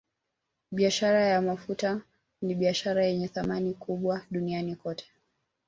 Biashara ya mafuta ni biashara yenye thamani kubwa duniani kote